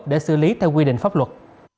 để xử lý theo quy định pháp luật